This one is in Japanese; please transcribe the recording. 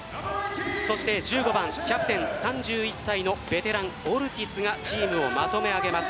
そして１５番・キャプテン、３１歳のベテラン、オルティスがチームをまとめ上げます。